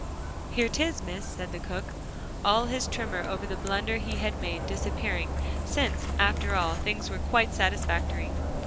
"Here 'tis, Miss," said the cook, all his tremor over the blunder he had made, disappearing, since, after all, things were quite satisfactory.